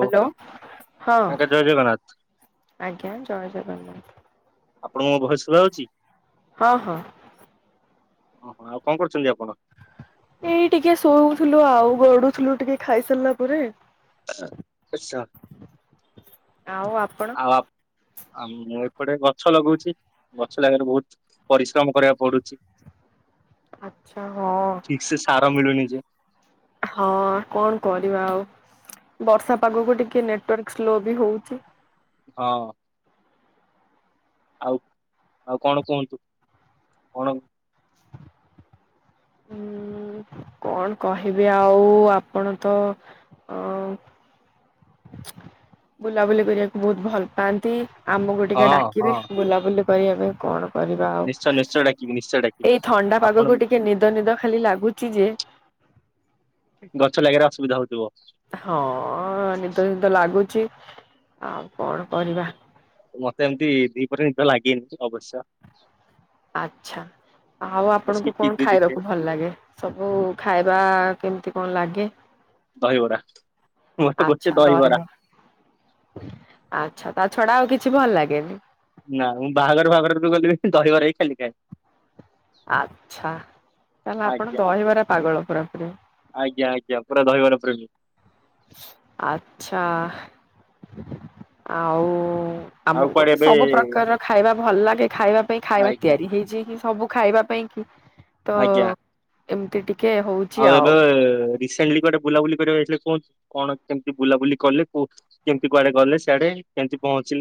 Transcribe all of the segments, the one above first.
Hello ହଁ ଆଜ୍ଞା ଜୟ ଜଗନ୍ନାଥ ଆଜ୍ଞା ଜୟ ଜଗନ୍ନାଥ। ଆପଣଙ୍କୁ ମୋ ଭୟସ ସୁଭା ଯାଉଚି। ହଁ ହଁ। ଓହୋ ଆଉ କଣ କରୁଛନ୍ତି ଆପଣ। ଏଇ ଟିକେ ଶୋଉଥିଲୁ ଆଉ ଗଡୁଥିଲୁ ଟିକେ ଖାଇସାରିଲା ପରେ। ଆଚ୍ଛା। ଆଉ ଆପଣ। ଆଉ ଆପ ଆ ମୁଁ ଏପଟେ ଗଛ ଲଗଉଛି ଗଛ ଲାଗାରେ ବହୁତ ପରିଶ୍ରମ କରିବାକୁ ପଡୁଛି। ଆଚ୍ଛା ହଁ। ଠିକ୍ ସେ ସାର ମିଳୁନି ଯେ। ହଁ କଣ କରିବା ଆଉ ବର୍ଷା ପାଗକୁ ଟିକେ ନେଟୱାର୍କ ସ୍ଲୋ ବି ହଉଛି। ହଁ। ଆଉ ଆଉ କଣ କୁହନ୍ତୁ କଣ। ଉଁ କଣ କହିବି ଆଉ ଆପଣ ତ। ଅ ବୁଲାବୁଲି କରିବାକୁ ବହୁତ ଭଲ ପାଆନ୍ତି ଆମକୁ ହଁ ଟିକେ ହଁ ଡାକିବେ ବୁଲାବୁଲି କରିବା ପାଇଁ କଣ। କରିବା ଆଉ ନିଶ୍ଚୟ ନିଶ୍ଚୟ ଡାକିବି ନିଶ୍ଚୟ ଡାକିବି। ଏଇ ଥଣ୍ଡା ଆପଣ ପାଗକୁ ଟିକେ ନିଦ ନିଦ ଖାଲି ଲାଗୁଛି ଯେ। ଗଛ ଲାଗିବାରେ ଅସୁବିଧା ହଉଥିବ। ହଁ ନିଦ ନିଦ ଲାଗୁଛି ଆଉ କଣ କରିବା। ମତେ ଏମିତି ଦିପହରେ ନିଦ ଲାଗେନି ଅବଶ୍ୟ। ଆଚ୍ଛା ଆଉ ବସିକି ଆପଣଙ୍କୁ କଣ ଟିଭି ଦେଖେ ଖାଇବାକୁ ଭଲ ଲାଗେ। ସବୁ ଖାଇବା କେମିତି କଣ ଲାଗେ। ଦହିବରା ମୋର ତ ଗୋଟେ ଦହିବରା। ଆଚ୍ଛା ତା ଛଡା ଆଉ କିଛି ଭଲ ଲାଗେନି। ନା ମୁଁ ବାହାଘର ଫାହାଘର ବି ଗଲେ ଦହିବରା ହିଁ ଖାଲି ଖାଇବି। ଆଚ୍ଛା ତାହେଲେ ଆପଣ ଆଜ୍ଞା ଦହିବାର ପାଗଳ ପୁରା। ଆଜ୍ଞା ଆଜ୍ଞା ପୁରା ଦହିବରା ପ୍ରିୟ। ଆଚ୍ଛା ଆଉ। ଆଉ ଆମକୁ କୁଆଡେ ଏବେ ସବୁ ପ୍ରକାର ର ଖାଇବା ଭଲ ଲାଗେ ଖାଇବା ପାଇଁ ଖାଇବା ଆଜ୍ଞା ତିଆରି ହେଇଚି ସବୁ ଖାଇବା ପାଇଁ କି ତ ଆଜ୍ଞା ଏମିତି ଟିକେ ହଉଛି। ଆଉ ଏବେ ରିସେଣ୍ଟଲି କୁଆଡେ ବୁଲାବୁଲି କରିବାକୁ ଯାଇଥିଲେ କୁହନ୍ତ କଣ କେମିତି ବୁଲାବୁଲି କଲେ କୋଉ କେମିତି କୁଆଡେ ଗଲେ ସିଆଡେ କେମିତି କଣ ଅଛି।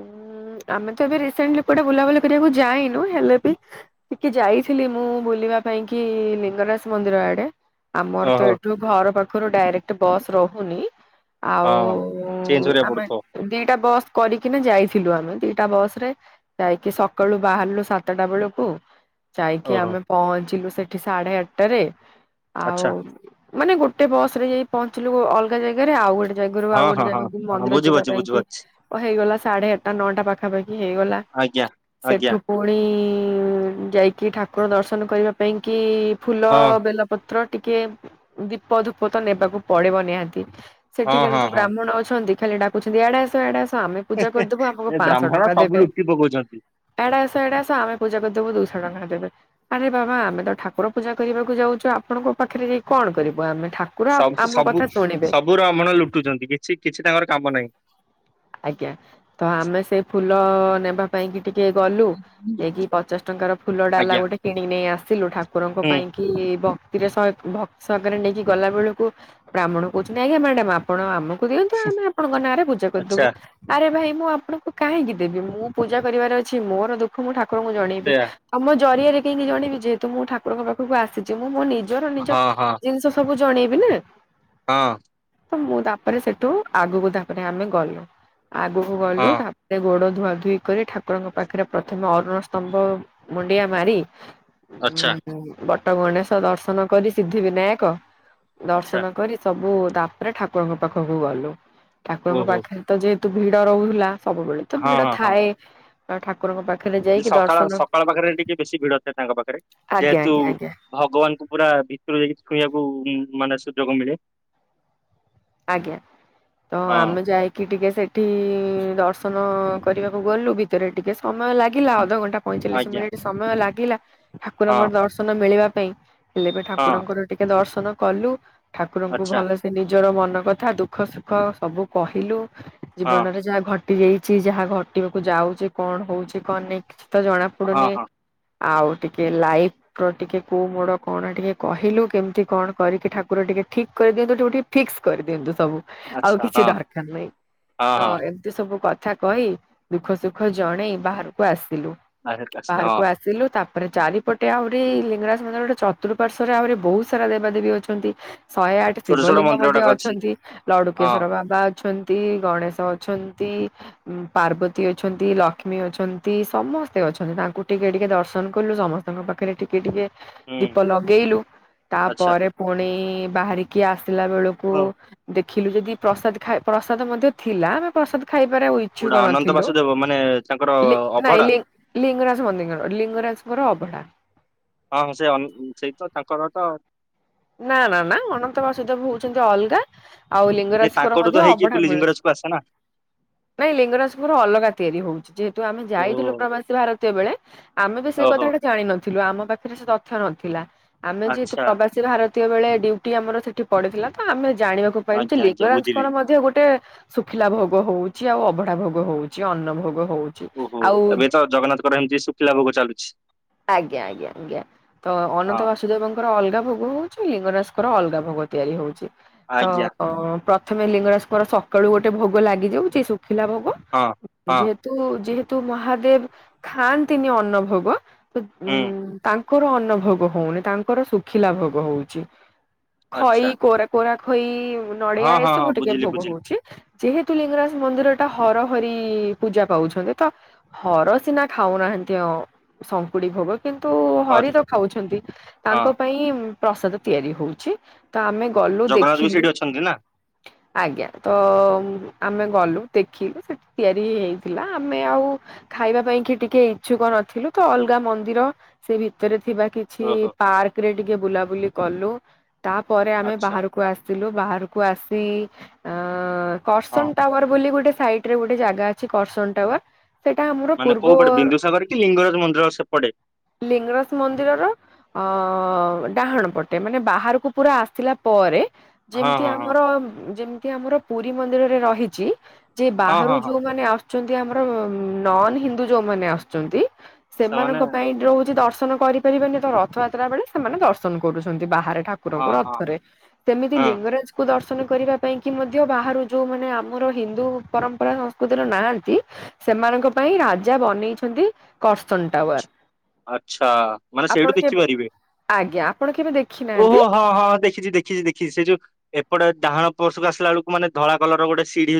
ଉଁ ଆମେ ତ ଏବେ ରିସେଣ୍ଟଲି କୁଆଡେ ବୁଲାବୁଲି କରିବାକୁ ଯାଇନୁ ହେଲେ ବି ଟିକେ ଯାଇଥିଲି ମୁଁ ବୁଲିବା ପାଇଁ କି ଲିଙ୍ଗରାଜ ମନ୍ଦିର ଆଡେ। ଆମର ତ ଓହୋ ଏଇଠୁ ଘର ପାଖରୁ ଡାଇରେକ୍ଟ ବସ୍ ରହୁନି। ହଁ ଆଉ ଚେଞ୍ଜ କରିବାକୁ ଆମେ ପଡୁଥିବ ଦିଟା ବସ୍ କରିକି କିନା ଯାଇଥିଲୁ ଆମେ ଦିଟା ବସ ରେ ଯାଇକି ସକାଳୁ ବାହାରିଲୁ ସାତଟା ବେଳକୁ। ଯାଇକି ଓହୋ ଆମେ ପହଞ୍ଚିଲୁ ସେଠି ସାଢେ ଆଠଟାରେ ଆଉ। ଆଚ୍ଛା ମାନେ ଗୋଟେ ବସ ରେ ଯାଇ ପହଞ୍ଚିଲୁ ଅଲଗା ଜାଗାରେ ଆଉ ଗୋଟେ ଜାଗାରୁ ହଁ ଆଉ ଗୋଟେ ହଁ ହଁ ଜାଗାକୁ ହଁ ମନ୍ଦିର ଯିବା ବୁଝିପାରୁଛି ପାଇଁ କି ବୁଝିପାରୁଛି ହେଇଗଲା। ସାଢେ ଆଠଟା ନଅଟା ପାଖାପାଖି ହେଇଗଲା ଆଜ୍ଞା ଆଜ୍ଞା ସେଠୁ। ପୁଣି ଯାଇକି ଠାକୁର ଦର୍ଶନ କରିବା ପାଇଁ କି ଫୁଲ ହଁ ବେଲ ପ ପତ୍ର ଟିକେ ଦୀପ ଧୂପ ତ ନେବାକୁ ପଡିବ ନିହାତି। ହଁ ସେଠିକାର ହଁ ଯୋଉ ହଁ ବ୍ରାହ୍ମଣ ଅଛନ୍ତି ଖାଲି ଡାକୁଛନ୍ତି ଏଆଡେ ଆସ ଏଆଡେ ଆସ ଆମେ ପୂଜା କରିଦବୁ ଆମକୁ ଏ ପାଞ୍ଚଶହ ବ୍ରାହ୍ମଣ ଟଙ୍କା ସବୁ ଦେବେ। ଲୁଟି ପକଉଛନ୍ତି ଏଆଡେ ଆସ ଏଆଡେ ଆସ ଆମେ ପୂଜା କରିଦବୁ ଦୁଇ ଶହ ଟଙ୍କା ଦେବେ। ଆରେ ବାବା ଆମେ ତ ଠାକୁର ପୂଜା କରିବାକୁ ଯାଉଛୁ ଆପଣଙ୍କ ପାଖରେ ଯାଇ କଣ କରିବ ଆମେ ଠାକୁର। ସବୁ ଆମ ସବୁ କଥା ଶୁଣିବେ। ସବୁ ର ବ୍ରାହ୍ମଣ ଲୁଟୁଛନ୍ତି କିଛି କିଛି ତାଙ୍କର କାମ ନାହିଁ। ଆଜ୍ଞା ତ ଆମେ ସେଇ ଫୁଲ ନେବା ପାଇଁ କି ଟିକେ ଗଲୁ ଏକି ପଚାଶ ଟଙ୍କାର ଫୁଲ ଡାଲା ଆଜ୍ଞା ଗୋଟେ କିଣ ନେଇ ଆସିଲୁ ଠାକୁରଙ୍କ ହୁଁ ପାଇଁ। କି ଭକ୍ତିର ସହକାରେ ଭକ୍ତି ସହକାରେ ନେଇକି ଗଲା ବେଳକୁ ବ୍ରାହମଣ କହୁଛନ୍ତି ଆଜ୍ଞା ମ୍ୟାଡାମ ଆପଣ ଆମକୁ ଦିଅନ୍ତୁ ଆମେ ଆପଣଙ୍କ ନାଁରେ ପୂଜା କରିଦେବୁ। ଆଚ୍ଛା ଆରେ ଭାଇ ମୁଁ ଆପଣଙ୍କୁ କାହିଁକି ଦେବି ମୁଁ ପୂଜା କରିବାର ଅଛି ମୋର ଦୁ ଖ ମୁଁ ଠାକୁରଙ୍କୁ ଜଣେଇବି ସେୟା ତମ ଜରିଆରେ କାହିକି ଜଣେଇବି ଯେହେତୁ ମୁଁ ଠାକୁରଙ୍କ ପା ପାଖକୁ ଆସିଛି ମୁଁ ମୋ ନିଜର ନିଜ ହଁ ହଁ ଜିନିଷ ସବୁ ଜଣେଇବି ନା। ହଁ। ତ ମୁଁ ତାପରେ ସେଠୁ ଆଗକୁ ତାପରେ ଆମେ ଗଲୁ। ଆଗକୁ ଗଲୁ ହଁ ତାପରେ ଗୋଡ ଧୁଆ ଧୁଇ କରି ଠାକୁରଙ୍କ ପାଖରେ ପ୍ରଥମେ ଅରୁଣ ସ୍ତମ୍ଭ ମୁଣ୍ଡିଆ ମାରି ଆଛା। ବଟଗଣେଶ ଦର୍ଶନ କରି ସିଦ୍ଧିବିନାୟକ ଆଚ୍ଛା ଦର୍ଶନ କରି ସବୁ ତାପରେ ଠାକୁରଙ୍କ ପାଖକୁ ଗଲୁ ଠାକୁରଙ୍କ ଓହୋ ପାଖରେ ତ ଯେହେତୁ ଭିଡ ରହୁଥିଲା ସବୁବେଳେ ତ ହଁ ଭିଡ ହଁ ହଁ ଥାଏ ଠାକୁରଙ୍କ ପାଖରେ ଯାଇକି ସକାଳ ଦର୍ଶନ ସକାଳ ପାଖରେ ଟିକେ ବେଶୀ ଭିଡ ଥାଏ ତାଙ୍କ ପାଖରେ ଆଜ୍ଞା ଯେହେତୁ ଆଜ୍ଞା ଆଜ୍ଞା ଭଗବାନଙ୍କୁ ପୁରା ଭିତରୁ ଦେଇକି ଛୁଇଁବାକୁ ମାନେ ସୁଯୋଗ ମିଳେ। ଆଜ୍ଞା ତ ହଁ। ଆମେ ଯାଇକି କି ଟିକେ ସେଇଠି ଦର୍ଶନ କରିବାକୁ ଗଲୁ ଭିତରେ ଟିକେ ସମୟ ଲାଗିଲା ଅଧଘଣ୍ଟା ପଇଁଚାଳିଶ ଆଜ୍ଞା ମିନିଟ ସମୟ ଲାଗିଲା ହଁ ଠାକୁରଙ୍କର ଦର୍ଶନ ମିଳିବା ପାଇଁ ହେଲେ ବି ହଁ ଠାକୁରଙ୍କର ଟିକେ ଦର୍ଶନ କଲୁ ଠାକୁରଙ୍କୁ ଆଚ୍ଛା ଭଲସେ ନିଜର ମନ ନ କଥା ଦୁଃଖ ସୁଖ ସବୁ କହିଲୁ ହଁ ଜୀବନରେ ଯାହା ଘ ଟି ଯାଇଛି ଯାହା ଘଟିବାକୁ ଯାଉଛି କଣ ହଉଛି କଣ ନାଇ କିଛି ତ ଜଣା ହଁ ପଡ଼ୁନି। ହଁ ଆଉ ଟିକେ ଲାଇ ଟିକେ କୋଉ ମୋଡ଼ କଣ ଟିକେ କହିଲୁ କେମିତି କଣ କରିକି ଠାକୁର ଟିକେ ଠିକ୍ କରିଦିଅନ୍ତୁ ତାକୁ ଟିକେ ଫିକ୍ସ କରିଦିଅନ୍ତୁ ସବୁ ଆଉ ଆଚ୍ଛା କିଛି ହଁ ଦରକାର ନାହିଁ ହଁ ତ ହଁ। ଏ ତି ସବୁ କଥା କହି ଦୁଃଖ ସୁଖ ଜଣେଇ ବାହାରକୁ ଆସିଲୁ ଆଚ୍ଛା, ଆଚ୍ଛା, ବାହାରକୁ ହଁ ଆସ ସିଲୁ ତାପରେ ଚାରିପଟେ ଆହୁରି ଲିଙ୍ଗରାଜ ମନ୍ଦିର ଗୋଟେ ଚତୁଃପାର୍ଶ୍ଵରେ ଆହୁରି ବହୁତ ସାରା ଦେବାଦେବୀ ଅଛନ୍ତି। ଶହେ ଆଠ ଛୋଟ ଛୋଟ ଶିବଲିଙ୍ଗ ମନ୍ଦିର ମଧ୍ୟ ଗୁଡାକ ଅଛି ଅଛନ୍ତି ଲଡ଼ୁ ହଁ କେଶର ବାବା ଅଛନ୍ତି ଗଣେଶ ଅଛନ୍ତି। ପାର୍ବତୀ ଅଛନ୍ତି ଲକ୍ଷ୍ମୀ ଅଛନ୍ତି ସମସ୍ତେ ଅଛନ୍ତି ତାଙ୍କୁ ଟିକେ ଟିକେ ଦର୍ଶନ କଲୁ ସମ ତାଙ୍କ ପାଖରେ ଟିକେ ଟିକେ ହୁଁ ଦୀପ ଲଗେଇଲୁ ଆଚ୍ଛା ତାପରେ ପୁଣି ବାହାରିକି ଆସିଲା ବେଳକୁ ହଁ। ଦେଖିଲୁ ଯଦି ପ୍ରସାଦ ଖାଇ ପ୍ରସାଦ ମଧ୍ୟ ଥିଲା ଆମେ ପ୍ରସାଦ ଖାଇବାରେ ଆଉ ଇ କୋଉଟା ଛୁକ ଅନନ୍ତ ନଥିଲୁ ବାସୁଦେବ ମାନେ ତାଙ୍କର ଅଭଡା [unintelligible] ଲିଙ୍ଗରାଜ ମନ୍ଦି କଣ ଲିଙ୍ଗରାଜ ଙ୍କର ଅଭଢ଼ା ହଁ ହଁ ସେ ଅନ୍ ସେଇ ତ ତାଙ୍କର ତ ନା ନା ନା ଅନନ୍ତ ବାସୁଦବ ହଉଛନ୍ତି ଅଲଗା। ଆଉ ନାଇଁ ଲିଙ୍ଗରାଜଙ୍କର ତାଙ୍କଠୁ ତ ମଧ୍ୟ ହେଇକି ଅଭଡ଼ା ବୁଲି ମିଳୁଛି। ଲିଙ୍ଗରାଜକୁ ଆସେ ନା ନାଇଁ ଲିଙ୍ଗରାଜଙ୍କର ଅଲଗା ତିଆରି ହଉଛି ଯେହେତୁ ଆମେ ଓହୋ ଯାଇଥିଲୁ ପ୍ରବାସୀ ଭାରତୀୟ ବେଳେ। ଆମେ ବି ସେଇ ଓହୋ କଥାଟା ଜାଣିନଥିଲୁ ଆମ ପାଖରେ ସେ ତଥ୍ୟ ନଥିଲା ଆମେ ଯେହେତୁ ଆଚ୍ଛା ପ୍ରବାସ ସେ ଭାରତୀୟ ବେଳେ ଡ୍ୟୁଟି ଆମର ସେଠି ପଡ଼ିଥିଲା ତ ଆମେ ଜାଣିବା ଆଜ୍ଞା [unintelligible] ଆଜ୍ଞା ବୁଝିଲି। ଲିଙ୍ଗରାଜଙ୍କର ମଧ୍ୟ ଗୋଟେ ଶୁଖିଲା ଭୋଗ ହଉଛି ଆଉ ଅଭଡ଼ା ଭୋଗ ହଉଛି ଅନ୍ନ ଭୋଗ ହଉ ଓହୋ ଏବେ ତ ଜଗନ୍ନାଥଙ୍କର ଏମିତି ଶୁଖିଲା ଭୋଗ ଚାଲୁଛି। ଆଜ୍ଞା ଆଜ୍ଞା ଆଜ୍ଞା ତ ହଁ ଅନନ୍ତ ବାସ ଦେବଙ୍କର ଅଲଗା ଭୋଗ ହଉଛି ଲିଙ୍ଗରାଜ୍ ଙ୍କର ଅଲଗା ଭୋଗ ତିଆରି ହଉଛି ତ ଆଜ୍ଞା ପ୍ର ପଥମେ ଲିଙ୍ଗରାଜଙ୍କର ସକାଳୁ ଗୋଟେ ଭୋଗ ଲାଗିଯାଉଚି ଶୁଖିଲା ଭୋଗ ହଁ ହଁ ଯୋଉ ତୁ ଯେହେତୁ ମହାଦେବ ଖାଆନ୍ତିନି ଅନ୍ନ ଭୋଗ ତ ଉ ହୁଁ ତାଙ୍କ ତାଙ୍କର ଅନ୍ନ ଭୋଗ ହଉନି ତାଙ୍କର ଶୁଖିଲା ଭୋଗ ହଉଛି ଖଇ ଆଚ୍ଛା କୋର କୋଳାଖଇ ନଡ଼ିଆ ହଁ ହଁ ଏସବୁ ହଁ ଟିକେ ବୁଝିଲି ଭୋଗ ବୁଝିଲି। ହଉଛି। ଯେହେତୁ ଲିଙ୍ଗରାଜ ମନ୍ଦିର ଟା ହର ହରି ପୂଜା ପାଉଛନ୍ତି ତ ହର ସିନା ଖାଉନାହାନ୍ତି ଅ ଶଙ୍କୁଡ଼ି ଭୋଗ। କିନ୍ତୁ ହରି ତ ଖାଉଛନ୍ତି ହଁ ତାଙ୍କ ପାଇଁ ପ୍ରସାଦ ତିଆରି ହଉଛି। ତ ଆମେ ଗଲୁ ଜଗନ୍ନାଥ ବି ଦେଖିଲୁ। ସେଇଠି ଅଛନ୍ତି ନା ଆଜ୍ଞା ତ ଆମେ ଗଲୁ ଦେଖିଲୁ ସେଠି ତିଆରି ହେଇଥିଲା ଆମେ ଆଉ ଖାଇବା ପାଇଁ କି ଟିକେ ଇଛୁକ ନଥିଲୁ ତ ଅଲଗା ମନ୍ଦିର ସେ ଭିତରେ ଥିବା କି ଛି ଓହୋ ପାର୍କ ରେ ଟିକେ ବୁଲାବୁଲି କଲୁ ତାପରେ ଆମେ ଆଚ୍ଛା ବାହାରକୁ ଆସ ବାହାରକୁ ଆସି ଅ ହଁ କରସନ୍ ଟାୱାର ବୋଲି ଗୋଟେ ସାଇ ଟ୍ ରେ ଗୋଟେ ଜାଗା ଅଛି କରସନ୍ ଟାୱାର। ସେଇଟା ଆମର ମାନେ ପୂର୍ବ କୋଉ ପଟେ ବିନ୍ଦୁସାଗର କି ଲିଙ୍ଗରାଜ ମନ୍ଦିର ସେପଟେ? ଲିଙ୍ଗରାଜ ମନ୍ଦିରର ଅ ଅ ଡାହାଣ ପଟେ ମାନେ ବାହାରକୁ ପୁରା ଆସିଲା ପରେ ହଁ ଯେମତି ହଁ ହଁ ଆମର ଯେମିତି ଆମର ପୁରୀ ମନ୍ଦିରରେ ରହିଛି। ଯେ ହଁ ବାହାରୁ ହଁ ହଁ ଯୋଉମାନେ ଆସୁଛନ୍ତି ଆମର ନନ୍ ହିନ୍ଦୁ ଯୋଉମାନେ ଆସୁଛନ୍ତି। ସେମାନେ ସେମାନଙ୍କ ପାଇଁ ରହୁଛି ଦର୍ଶନ କରିପାରିବେନି ତ ରଥଯାତ୍ରା ବେଳେ ସେମାନେ ଦର୍ଶନ କରୁଛନ୍ତି ବାହାରେ ଠାକୁର ହଁ କୁରଙ୍କୁ ହଁ ରଥରେ ସେମିତି ହଁ ଲିଙ୍ଗରାଜକୁୁ ଦର୍ଶନ କରିବା ପାଇଁ କି ମଧ୍ୟ ବାହାରୁ ଯୋଉ ମାନେ ଆମର ହିନ୍ଦୁ ପରମ୍ପରା ସ ତର ନାହାନ୍ତି ସେମାନଙ୍କ ପାଇଁ ରାଜା ବନେଇଛନ୍ତି। କରସନ ଆଚ୍ଛା ଟାୱାର ଆଚ୍ଛା ମାନେ ସେଇଠୁ ଆପଣ କେବେ ଦେଖିପାରିବେ ଆଜ୍ଞା ଆପଣ କେବେ ଓହୋ ଦେଖିନାହାନ୍ତି। ହଁ ହଁ ଦେଖିଛି ଦେଖିଛି ଦେଖିଛି ସେ ଯୋଉ ଏପଟ ଡାହାଣ ପୋଷକ ଆସା ବେଳକୁ ମାନେ ଧଳା କଲର ଗୋଟେ ସିଡ଼ି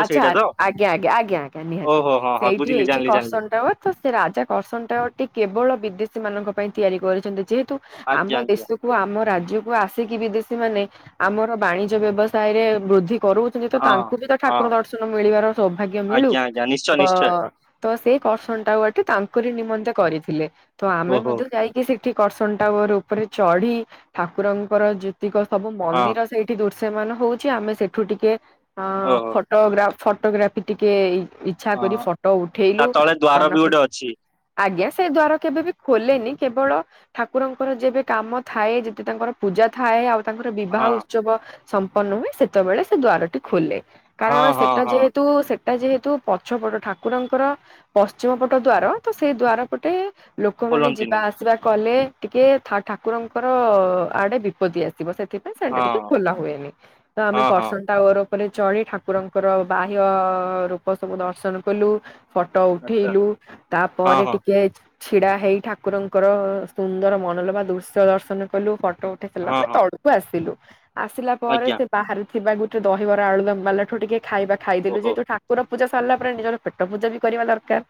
ଆଚ୍ଛା ଆଜ୍ଞା ଆଜ୍ଞା ଆଜ୍ଞା ଆଜ୍ଞା ନିହାତି ଓହୋ ହଁ ହଁ ସେଇଠି ବୁଝିଲି ହେଇଛି ଜାଣିଲି ଜାଣିଲି କର୍ସନଟାୱ ତ ସେ ରାଜା କର୍ସନଟଟି କେବଳ ବିଦେଶୀ ମାନଙ୍କ ପାଇଁ ତିଆରି କରିଛନ୍ତି ଯେହେତୁ ଆଜ୍ଞା ଆମ ଆଜ୍ଞା ଦେଶକୁ ଆମ ରାଜ୍ୟକୁ ଆସିକି ବିଦେଶୀ ମାନେ ଆମର ବାଣିଜ୍ୟ ବ୍ୟବସାୟ ରେ ବୃଦ୍ଧି କରୁ ହଁ ତାଙ୍କୁ ବି ତ ହଁ ଠାକୁର ଦର୍ଶନ ମିଳିବାର ସୌଭାଗ୍ୟ ମିଳୁ ଆଜ୍ଞା ଆଜ୍ଞା ନିଶ୍ଚୟ ତ ନିଶ୍ଚୟ ତ ସେଇ କର୍ଷଣ ଟାକୁ ଗଟେ ତାଙ୍କରି ନିମନ୍ତେ କରିଥିଲେ ତ ଆମେ ଓହୋ ମଧ୍ୟ ଯାଇକି ସେଠି କର୍ସନ ଟାଗର ଉପରେ ଚଢି ଠାକୁରଙ୍କର ଯେତିକ ସବୁ ହଁ ମନ୍ଦିର ସେଇଠି ଦୁର୍ଶ୍ୟମାନ ହଉଛି ଆମେ ସେଠୁ ଟିକେ ଅ ଓହୋ ଫଟୋଗ୍ରାଫ ଫଟୋଗ୍ରାଫି ଟିକେ ଇଚ୍ଛା କରି ହଁ ଫଟୋ ତା ଉଠେଇଲୁ ତଳେ ଦ୍ୱାର ମ ବି ଗୋଟେ ଅଛି ଆଜ୍ଞା ସେ ଦ୍ଵାର କେବେ ବି ଖୋଲେନି କେବଳ ଠାକୁରଙ୍କର ଯେବେ କାମ ଥାଏ ଯେଦି ତାଙ୍କର ପୂଜା ଥାଏ ଆଉ ତାଙ୍କର ବିବାହ ହଁ ଉତ୍ସବ ସମ୍ପନ୍ନ ହୁଏ ସେତେବେଳେ ସେ ଦ୍ଵାରଟି ଖୋଲେ। ହଁ କାରଣ ହଁ ସେଟା ହଁ ଯେହେତୁ ସେ ଏଟା ଯେହେତୁ ପଛ ପଟ ଠାକୁରଙ୍କର ପଶ୍ଚିମ ପଟ ଦ୍ଵାର ତ ସେଇ ଦଵାର ପଟେ ଲୋକମାନେ ଯିବା ଖୋଲନ୍ତିନି ଆସିବା କଲେ ଟିକେ ଠା-ଠାକୁରଙ୍କର ଆଡେ ବିପତ୍ତି ଆସିବ ସେ ସୋ ହଁ ଟିକେ ଖୋଲା ହୁଏନି ତ ଆମେ ହଁ ହଁ କରର୍ସନ ଟାର ଉପରେ ଚଢି ଠାକୁ କୁାକୁରଙ୍କର ବାହ୍ୟ ରୂପ ସବୁ ଦର୍ଶନ କଲୁ। ଫଟୋ ଆଚ୍ଛା ଉଠେଇଲୁ ହଁ ତାପରେ ହଁ ଟିକେ ଛିଡା ହେଇ ଠାକୁରଙ୍କର ସୁନ୍ଦର ମନଲୋଭା ଦୃଶ୍ୟ ଦର୍ଶନ କଲୁ ଫଟୋ ପଠେଇ ସାରିଲା ହଁ ପରେ ହଁ ତଳକୁ ଆସିଲୁ ଆସିଲା ପରେ ଆଜ୍ଞା ସେ ବାହାରେ ଥିବା ଗୋଟେ ଦହିବରା, ଆଳୁଦମ୍ ଵାଲା ଠୁ ଟିକେ ଖାଇବା ଖାଇଦଲୁ ଓହୋ ଯେହେତୁ ଠାକୁର ପୂଜା ସରିଲା ପରେ ନିଜର ପେଟ ପୂଜ ବି କରିବା ଦରକାର।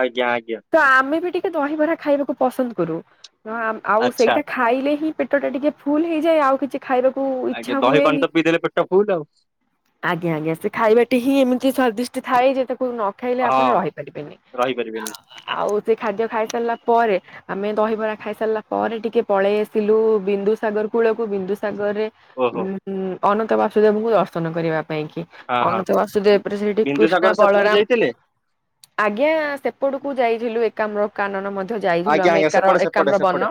ଆଜ୍ଞା ଆଜ୍ଞା। ତ ଆମେ ବି ଟିକେ ଦହିବରା ଖାଇବାକୁ ପସନ୍ଦ କରୁ। ଆଉ ଆଚ୍ଛା ସେଇଟା ଖା ଖାଇଲେ ହିଁ ପେଟ ଟା ଟିକେ ଫୁଲ ହେଇଯାଏ ଆଉ କିଛି ଖାଇବାକୁ ଆଜ୍ଞା ଇଚ୍ଛା ଦହି ପାଣି ହୁଏନି। [unintelligible] ଆଜ୍ଞା ଆଜ୍ଞା ସେ ଖାଇବାଟଟି ହିଁ ଏମିତି ସ୍ଵାଦିଷ୍ଟ ଥାଏ ଯେ ତାକୁ ନ ଖାଇଲେ ଆପଣ ହଁ ରହିପାରିବେନି। ରହିପାରିବେନି ଆଉ ସେ ଖାଦ୍ୟ ଖାଇ ସାରିଲା ପରେ ଆମେ ଦହିବରା ଖାଇ ସାରିଲା ପରେ ଟିକେ ପଳେଇ ଆସିଲୁ ବିନ୍ଦୁସାଗର କୂଳକୁ ବିନ୍ଦୁସାଗର ରେ ଉଁ ଓହୋ ଅନନ୍ତ ବାସୁଦେବଙ୍କୁ ଦର୍ଶନ କରିବା ପାଇଁ କି। ହଁ ହଁ ଅନନ୍ତ ବାସୁଦେବପରେ ସେଠି କୃଷ୍ଣା, ବିନ୍ଦୁସାଗର ସେପଟକୁ ବଳରାମ ଯାଇଥିଲେ ଆଜ୍ଞା ସେପଟକୁ ଯାଇଥିଲୁ। ଏକାମ୍ର କାନନ ମଧ୍ୟ ଯାଇଥିଲୁ ଆଜ୍ଞା ଆମେ ଆଜ୍ଞା ଏକ ସେପଟେ ସେପଟେ ଏକାମ୍ର ସେପଟେ ବନ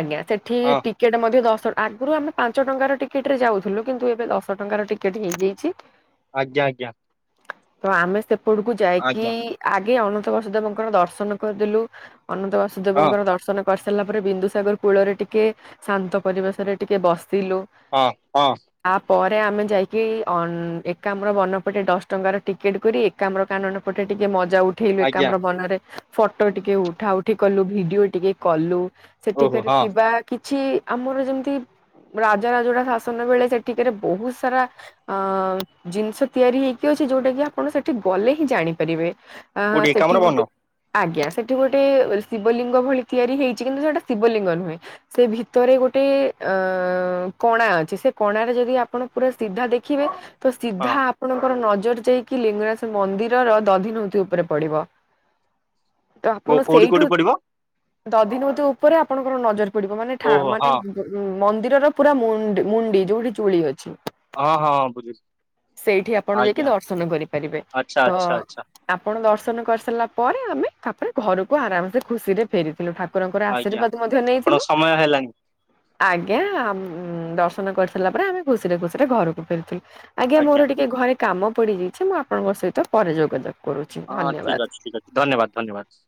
ଆଜ୍ଞା ସେଠି ଟି ହଁ ଟିକେଟ ମଧ୍ୟ ଦଶ ଆଗରୁ ଆମେ ପାଞ୍ଚ ଟଙ୍କାର ଟିକେଟରେ ଯାଉଥିଲୁ କିନ୍ତୁ ଏବେ ଦଶ ଟଙ୍କାର ଟିକେଟ୍ ହେଇଯାଇଛି। ଛି ଆଜ୍ଞା ଆଜ୍ଞା। ତ ଆମେ ସେପଟକୁ ଯାଇକି ଆଜ୍ଞା ଆଗେ ଅନନ୍ତ ବାସୁଦେବଙ୍କର ଦର୍ଶନ କରିଦେଲୁ। ଅନନ୍ତ ହଁ ବାସୁଦେବଙ୍କର ଦର୍ଶନ କରିସାରିଲା ପରେ ବିନ୍ଦୁସାଗର କୂଳରେ ଟିକେ ଶାନ୍ତ ପରିବେଶରେ ଟିକେ ବସିଲୁ। ହଁ, ହଁ। ଆ ପରେ ଆମେ ଯାଇକି ଅନ୍ ଏକାମ୍ର ବନପଟେ ଦଶ ଟଙ୍କାର ଟିକେଟ୍ କରି, ଏକାମ୍ର କାନନ ପଟେ ଟିକେ ମଜା ଉ ଉଠେଇଲୁ ଆଜ୍ଞା ଏକାମ୍ର ବନରେ ଫଟୋ ଟିକେ ଉଠା ଉଠି କଲୁ, ଭିଡିଓ ଟିକେ କଲୁ। ଓହୋ ସେଠିକରେ ହଁ ଥିବା କିଛି ଆମର ଯେମିତି ରାଜା ରାଜୋଡା ଶାସନ ବେଳେ ସେଠିକାରେ ବହୁତ ସାରା ଆଁ, ଜିନିଷ ତିଆରି ହେଇକି ଅଛି, ଯୋଉଟା କି ଆପଣ ସେଠି ଗଲେ ହିଁ ଜାଣିପାରିବେ। ଆଁ, କୋଉଠି ସେଠି ଗୋଟେ ଏକାମ୍ରବନ ଆଜ୍ଞା, ସେଠି ଗୋଟେ ଶିବଲିଙ୍ଗ ଭଳି ତିଆରି ହେଇଛି କିନ୍ତୁ, ସେଟା ଶିବଲିଙ୍ଗ ନୁହେଁ। ସେ ଭିତରେ ଗୋଟେ ଆଁ କଣା ଅଛି ସେ କଣାରେ ଯଦି ଆପଣ ପୁରା ସିଧା ଦେଖ ଖିବେ ତ ହଁ ସିଧା ଆପଣଙ୍କର ନଜର ଯାଇକି ଲିଙ୍ଗରାଜ ମନ୍ଦିରର ଦଧି ନଉତି ଉପରେ ପଡିବ। ତ କୋ ଆପଣ କୋଉଠି ସେଇଠୁ କୋଉଠି ପଡିବ ଦଧିନଉତି ଉପରେ ଆପଣଙ୍କର ନଜର ପଡିବ ମାନେ ଠା ଓହୋ ମାନେ ହଁ ମନ୍ଦିରର ପୁରା ମୁଁ ମୁଣ୍ଡି ଯୋଉଠି ଚୁଳି ଅଛି। ହଁ ହଁ, ବୁଝି ସେଇଠି ଆପଣ ଯାଇକି ଦର୍ଶନ କରିପାରିବେ, ଆଚ୍ଛା ତ ଆଚ୍ଛା ଆଚ୍ଛା ଆପଣ ଦର୍ଶନ କରିସାରିଲା ପରେ ଆମେ ତାପରେ ଘରକୁ ଆରାମସେ ଖୁସି ରେ ଫେରିଥିଲୁ, ଠାକୁରଙ୍କର ଆଜ୍ଞା ଆଶୀର୍ବାଦ ମଧ୍ୟ ଆପଣଙ୍କ ନେଇଥିଲୁ। ସମୟ ହେଲାଣି ଆଜ୍ଞା, ଦର୍ଶନ କରିସାରିଲା ପରେ ଆମେ ଖୁସିରେ ଖୁସିରେ ଘରକୁ ଫେରିଥିଲୁ। ଆଜ୍ଞା, ମୋର ଟିକେ ଘରେ କାମ ପଡିଯାଇଛି ମୁଁ ଆପଣଙ୍କ ସହିତ ପରେ ଯୋଗ ଦେବି। ହଁ ଠିକ୍ ଅଛି, ଠିକ ଅଛି ଧନ୍ୟବାଦ, ଧନ୍ୟବାଦ।